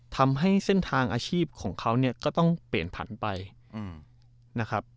ทำให้เส้นทางอาชีพของเขาเนี่ยก็ต้องเปลี่ยนผันไปนะครับ